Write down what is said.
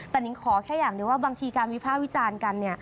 แต่นิ้งขอแค่อย่างหนึ่งว่าบางทีการวิภาควิจารณ์กัน